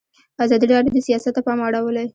ازادي راډیو د سیاست ته پام اړولی.